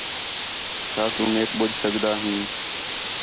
چَھا تُو میک ٻُجھ سڳدا ہیں